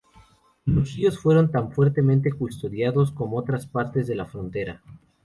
Los ríos fueron tan fuertemente custodiados como otras partes de la frontera.